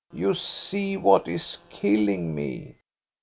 You see what is killing me."